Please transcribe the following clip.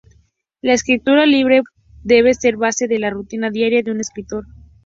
La escritura libre debe ser base de la rutina diaria de un escritor.